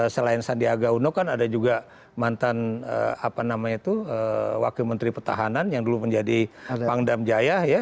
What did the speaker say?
selain sandiaga uno kan ada juga mantan wakil menteri pertahanan yang dulu menjadi pangdam jaya ya